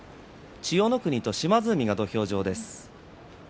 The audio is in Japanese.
千代の国と島津海が土俵です。